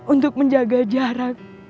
untuk menjaga jarak